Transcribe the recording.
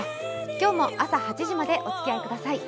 今日も朝８時までおつきあいください。